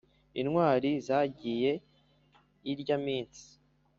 Intwari zagiye irya minsi